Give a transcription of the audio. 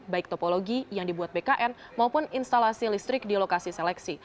baik topologi yang dibuat bkn maupun instalasi listrik di lokasi seleksi